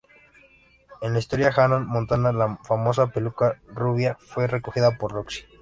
En la historia "Hannah Montana", la famosa peluca rubia fue escogida por Roxy.